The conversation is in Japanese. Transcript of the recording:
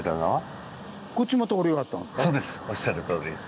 おっしゃるとおりです。